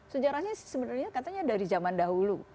sejarahnya sebenarnya katanya dari zaman dahulu